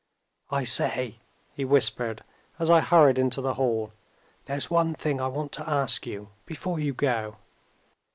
"I say!" he whispered, as I hurried into the hall, "there's one thing I want to ask you before you go."